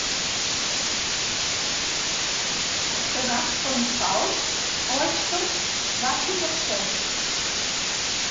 Els arsenats són sals o èsters d'àcid arsènic.